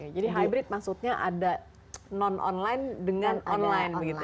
jadi hybrid maksudnya ada non online dengan online